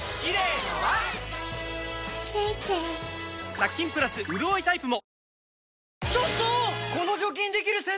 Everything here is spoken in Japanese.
殺菌プラスうるおいタイプも